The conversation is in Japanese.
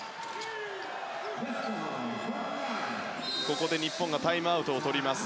ここで日本がタイムアウトをとります。